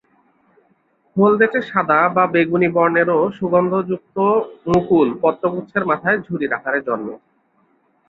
হলদেটে সাদা বা বেগুনি বর্ণের ও সুগন্ধযুক্ত মুকুল পত্রগুচ্ছের মাথায় ঝুরির আকারে জন্মে।